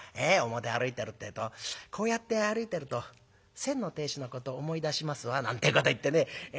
表歩いてるってえと『こうやって歩いてると先の亭主のこと思い出しますわ』なんてこと言ってね。